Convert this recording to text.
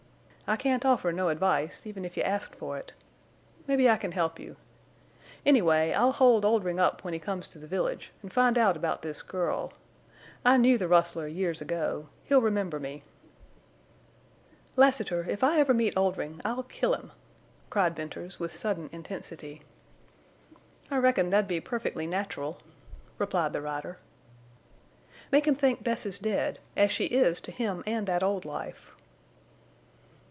I can't offer no advice, even if you asked for it. Mebbe I can help you. Anyway, I'll hold Oldrin' up when he comes to the village an' find out about this girl. I knew the rustler years ago. He'll remember me." "Lassiter, if I ever meet Oldring I'll kill him!" cried Venters, with sudden intensity. "I reckon that'd be perfectly natural," replied the rider. "Make him think Bess is dead—as she is to him and that old life."